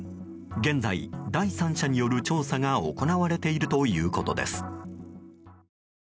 現在、第三者による調査が行われているということです。